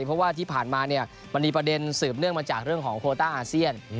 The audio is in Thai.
เพราะว่าที่ผ่านมามันมีประเด็นสืบเนื่องมาจากเรื่องของโคต้าอาเซียน